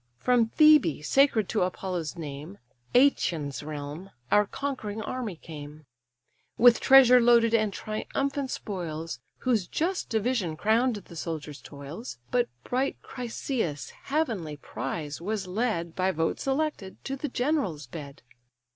From Thebé, sacred to Apollo's name (Aëtion's realm), our conquering army came, With treasure loaded and triumphant spoils, Whose just division crown'd the soldier's toils; But bright Chryseïs, heavenly prize! was led, By vote selected, to the general's bed.